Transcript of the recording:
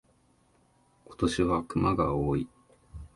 今年は熊が多い。